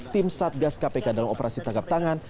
tim satgas kpk dalam operasi tangkap tangan